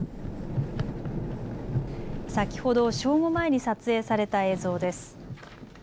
先ほど、正午前に撮影された映像です。